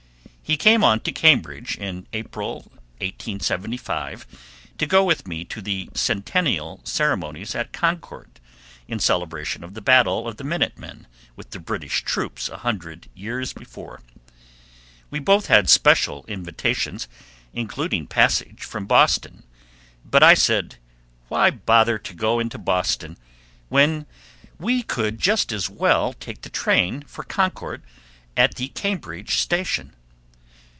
He came on to Cambridge in April, 1875, to go with me to the centennial ceremonies at Concord in celebration of the battle of the Minute Men with the British troops a hundred years before. We both had special invitations, including passage from Boston; but I said, Why bother to go into Boston when we could just as well take the train for Concord at the Cambridge station?